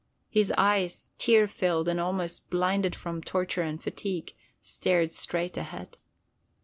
His eyes, tear filled and almost blinded from torture and fatigue, stared straight ahead.